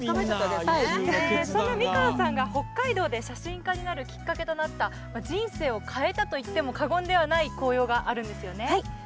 そんな三川さんが北海道で写真家になるきっかけとなった人生を変えたといっても過言ではない紅葉があるんですよね。